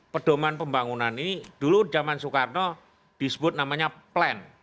pedoman pembangunan ini dulu zaman soekarno disebut namanya plan